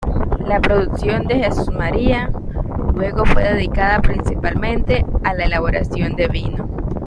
La producción de Jesús María, luego fue dedicada principalmente a la elaboración de vino.